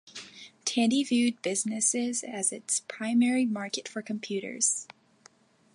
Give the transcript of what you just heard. Tandy viewed businesses as its primary market for computers.